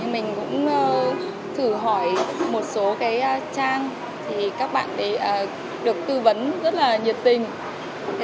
mình cũng thử hỏi một số trang thì các bạn được tư vấn rất là nhiệt tình